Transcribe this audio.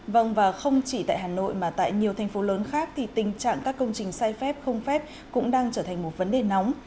vâng và không chỉ tại hà nội mà tại nhiều thành phố lớn khác thì tình trạng các công trình xây phép không phép cũng đang trở thành một vấn đề nóng